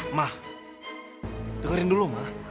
ada bisa tawar dari juga ya